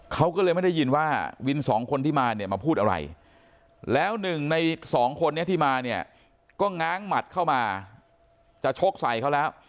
เขาก็เลยไม่ได้ยินว่าวินสองคนที่มาเนี่ยมาพูดอะไรแล้วหนึ่งในสองคนนี้ที่มาเนี่ยก็ง้างหมัดเข้ามาจะชกใส่เขาแล้ว